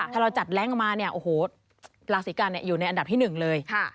ถ้าเราจัดแรงมาเนี่ยโอ้โหราศีกันเนี่ยอยู่ในอันดับที่หนึ่งเลย